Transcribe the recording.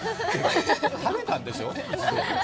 食べたんでしょ？